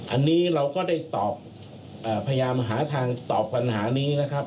อันนี้เราก็ได้ตอบพยายามหาทางตอบปัญหานี้นะครับ